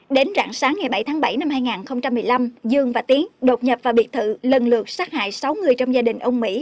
đến rạng sáng ngày bảy tháng bảy năm hai nghìn một mươi năm dương và tiến đột nhập vào biệt thự lần lượt sát hại sáu người trong gia đình ông mỹ